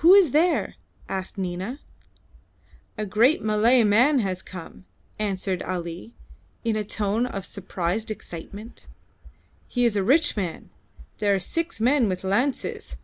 "Who is there?" asked Nina. "A great Malay man has come," answered Ali, in a tone of suppressed excitement. "He is a rich man. There are six men with lances.